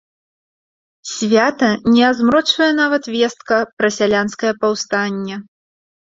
Свята не азмрочвае нават вестка пра сялянскае паўстанне.